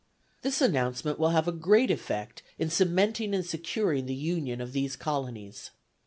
This announcement will have a great effect in cementing and securing the union of these colonies.